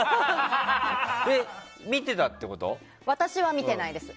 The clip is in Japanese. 私は見てないです。